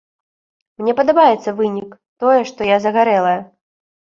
Мне падабаецца вынік, тое, што я загарэлая.